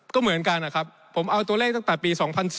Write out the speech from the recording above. ก็เหมือนกันนะครับผมเอาตัวเลขตั้งแต่ปี๒๔